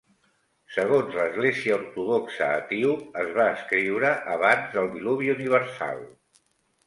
Segons l'Església Ortodoxa Etíop, es va escriure abans del diluvi universal.